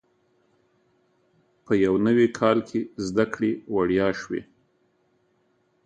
په یو نوي کال کې زده کړې وړیا شوې.